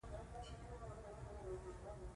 زه غواړم هوټل ته ولاړ شم، او کوټه په کرايه ونيسم.